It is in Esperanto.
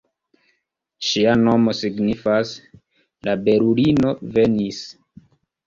Ŝia nomo signifas ""La belulino venis"".